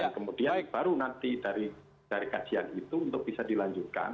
kemudian baru nanti dari kajian itu untuk bisa dilanjutkan